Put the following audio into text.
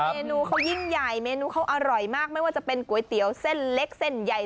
เมนูเขายิ่งใหญ่เมนูเขาอร่อยมากไม่ว่าจะเป็นก๋วยเตี๋ยวเส้นเล็กเส้นใหญ่